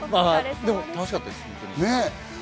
でも楽しかったです。